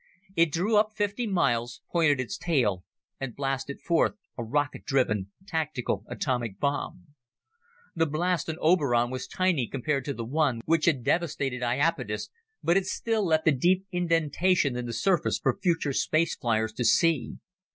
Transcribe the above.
It drew up fifty miles, pointed its tail and blasted forth a rocket driven, tactical atomic bomb. The blast on Oberon was tiny compared to the one which had devastated Iapetus, but it still left a deep indentation in the surface for future space fliers to see.